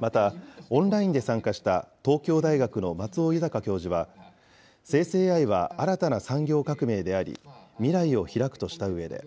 また、オンラインで参加した東京大学の松尾豊教授は、生成ＡＩは新たな産業革命であり、未来をひらくとしたうえで。